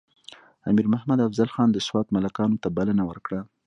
امیر محمد افضل خان د سوات ملکانو ته بلنه ورکړه.